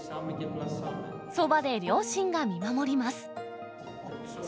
そばで両親が見守ります。